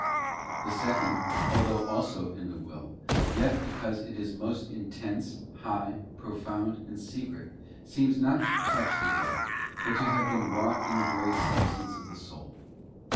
The second, though also in the will, yet because it is most in tense, high, profound, and secret, seems not to touch the will, but to have been wrought in the very substance of the soul.